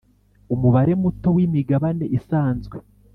Umubare muto w imigabane isanzwe